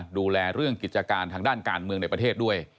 ดูแลเรื่องกิจการทางด้านการเมืองในประเทศด้วย